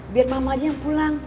biar mama aja yang pulang